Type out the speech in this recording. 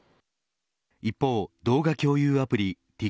一方動画共有アプリ